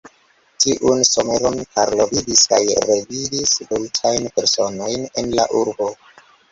Tiun someron Karlo vidis kaj revidis multajn personojn en la urbo.